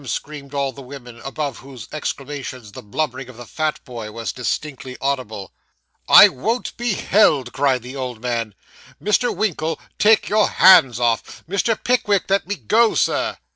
screamed all the women, above whose exclamations the blubbering of the fat boy was distinctly audible. 'I won't be held!' cried the old man. 'Mr. Winkle, take your hands off. Mr. Pickwick, let me go, sir!